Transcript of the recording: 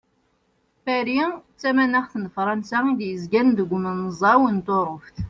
Paris d tamanaxt n Frans i d-yezgan deg umenẓaw n Turuft.